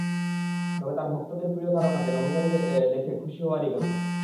তবে তাঁর ভক্তদের প্রিয় তারকাকে নভোচারীর বেশে দেখে খুশি হওয়ারই কথা।